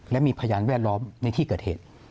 และมีพยานแวดล้อมในที่เกิดเหตุ